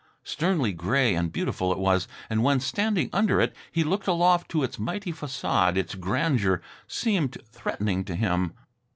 Sternly gray and beautiful it was. And when, standing under it, he looked aloft to its mighty facade, its grandeur seemed threatening to him.